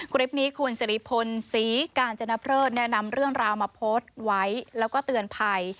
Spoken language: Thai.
คลิปนี้คุณสิริพลศรีกาญจนเพลิศแนะนำเรื่องราวมาโพสต์ไว้แล้วก็เตือนภัย